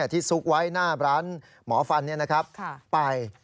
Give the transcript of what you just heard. ซุกไว้หน้าร้านหมอฟันไป